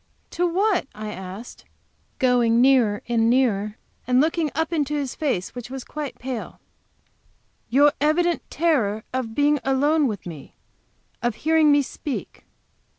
"To what?" I asked, going nearer and nearer, and looking up into his face, which was quite pale. "To your evident terror of being alone with me, of hearing me speak.